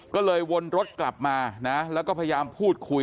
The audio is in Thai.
ก็เลยวนรถกลับมานะแล้วก็พยายามพูดคุย